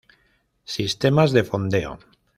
Sistemas de fondeo.